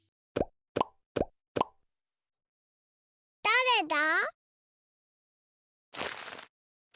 だれだ？